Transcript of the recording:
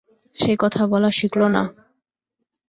সে কথা বলা শিখল না।